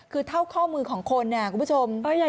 คือเท่าข้อมือของคนเนี่ยคุณผู้ชม